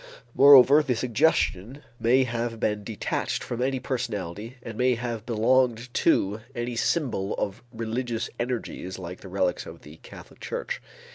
Moreover the suggestion may have been detached from any personality and may have belonged to any symbol of religious energies, like the relics of the Catholic Church.